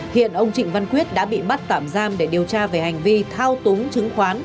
hiện ông trịnh văn quyết đã bị bắt tạm giam để điều tra về hành vi thao túng chứng khoán